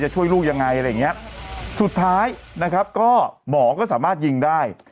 ช่วยลูกยังไงอะไรอย่างเงี้ยสุดท้ายนะครับก็หมอก็สามารถยิงได้